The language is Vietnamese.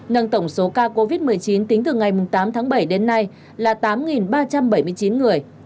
nâng tổng số ca covid một mươi chín tính từ ngày tám tháng bảy đến nay là tám ba trăm bảy mươi chín người